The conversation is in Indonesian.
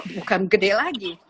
bukan gede lagi